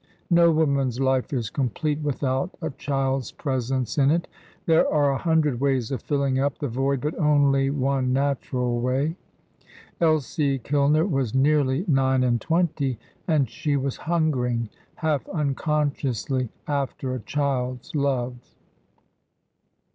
No woman's life is complete without a child's presence in it. There are a hundred ways of filling up the void, but only one natural way. Elsie Kilner was nearly nine and twenty, and she was hungering, half unconsciously, after a child's love.